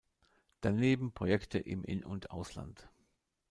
Daneben Projekte im In- und Ausland.